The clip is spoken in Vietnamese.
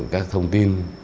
các thông tin